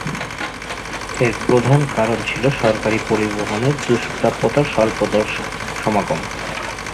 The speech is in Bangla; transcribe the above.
এর প্রধান কারণ ছিল সরকারি পরিবহনের দুষ্প্রাপ্যতায় স্বল্প দর্শক সমাগম।